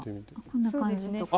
こんな感じとか？